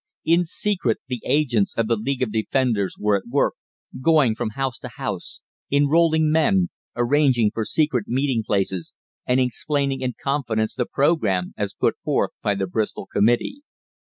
In secret, the agents of the League of Defenders were at work, going from house to house, enrolling men, arranging for secret meeting places, and explaining in confidence the programme as put forward by the Bristol committee.